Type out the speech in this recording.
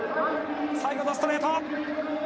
最後のストレート！